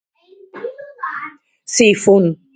Si, fun.